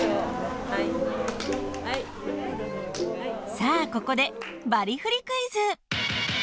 さあここでバリフリクイズ！